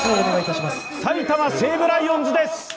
埼玉西武ライオンズです！